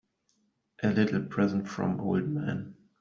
A little present from old man.